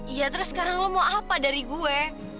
iya terus sekarang lo mau apa dari gue